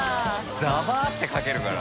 ザバッてかけるから。